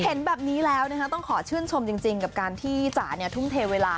เห็นแบบนี้แล้วต้องขอชื่นชมจริงกับการที่จ๋าทุ่มเทเวลา